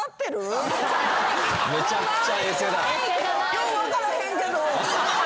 「よう分からへんけど」